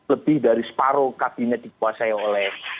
lebih dari separuh kabinet dikuasai oleh